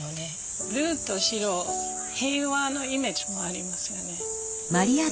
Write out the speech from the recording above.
ブルーと白平和のイメージもありますよね。